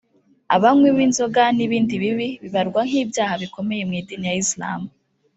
abanywi b’inzoga n‘ibindi bibi bibarwa nk’ibyaha bikomeye mu idini ya Islam